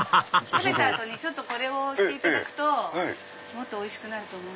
食べた後にこれをしていただくともっとおいしくなると思う。